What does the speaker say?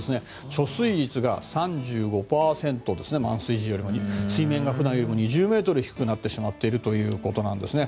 貯水率が３５％で水面が普段より２０ｍ低くなってしまっているということなんですね。